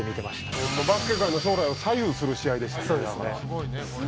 ホンマバスケ界の将来を左右する試合でしたね。